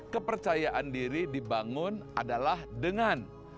kepercayaan diri dibangun adalah dengan